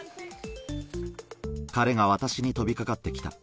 彼が私に飛びかかってきた。